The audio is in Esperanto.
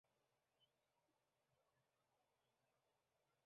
Oni trovis tie restojn de prahistoria arto.